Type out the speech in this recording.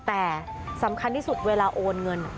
แต่สำคัญที่สุดเวลาโอนเงิน